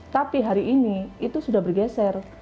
tapi hari ini itu sudah bergeser